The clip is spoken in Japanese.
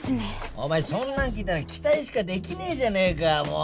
お前そんなん聞いたら期待しかできねえじゃねえかもう。